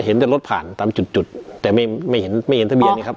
เห็นแต่รถผ่านตามจุดจุดแต่ไม่ไม่เห็นไม่เห็นทะเบียนไงครับ